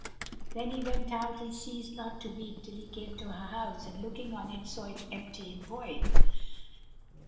'" Then he went out and ceased not to weep till he came to her house and looking on it, saw it empty and void.